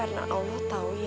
semua ini udah kccg ta morta kan